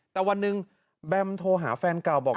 แต่วันหนึ่งแบมโทรหาแฟนเก่าบอก